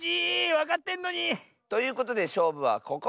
わかってんのに！ということでしょうぶはここまで！